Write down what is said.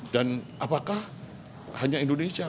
dan apakah hanya indonesia